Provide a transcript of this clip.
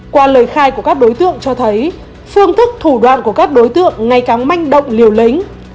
qua lời khai của các đối tượng cho thấy phương thức thủ đoạn của các đối tượng ngày càng manh động liều lĩnh